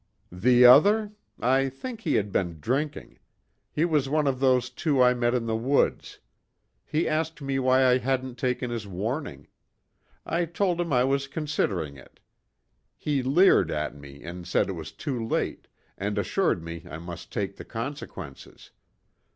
"The other? I think he had been drinking. He was one of those two I met in the woods. He asked me why I hadn't taken his warning. I told him I was considering it. He leered at me and said it was too late, and assured me I must take the consequences.